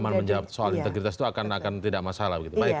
aman menjawab soal integritas itu akan tidak masalah